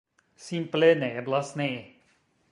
Simple ne eblas ne.